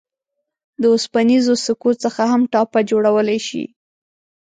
د اوسپنیزو سکو څخه هم ټاپه جوړولای شئ.